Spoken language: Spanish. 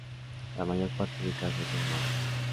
La mayor parte de casos en humanos.